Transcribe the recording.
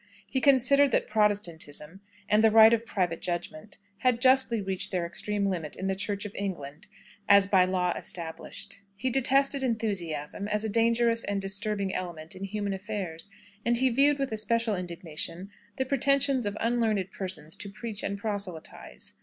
He considered that Protestantism, and the right of private judgment, had justly reached their extreme limits in the Church of England as by law established. He detested enthusiasm as a dangerous and disturbing element in human affairs, and he viewed with especial indignation the pretensions of unlearned persons to preach and proselytise.